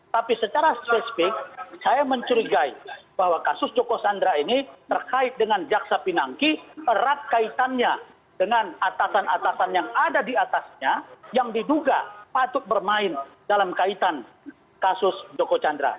tapi secara spesifik saya mencurigai bahwa kasus joko chandra ini terkait dengan jaksa pinangki erat kaitannya dengan atasan atasan yang ada di atasnya yang diduga patut bermain dalam kaitan kasus joko chandra